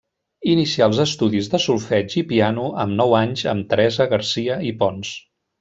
Inicià els estudis de solfeig i piano amb nou anys amb Teresa Garcia i Pons.